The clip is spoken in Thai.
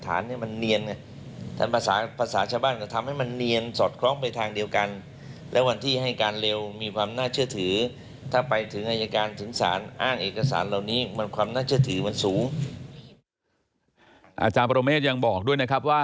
อาจารย์บรมเมฆยังบอกด้วยนะครับว่า